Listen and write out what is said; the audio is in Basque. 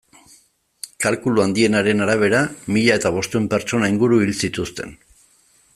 Kalkulu handienaren arabera, mila eta bostehun pertsona inguru hil zituzten.